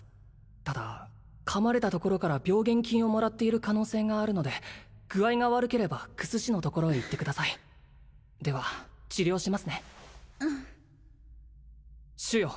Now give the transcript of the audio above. ただ噛まれたところから病原菌をもらっている可能性があるので具合が悪ければ薬師のところへ行ってくださいでは治療しますねうん主よ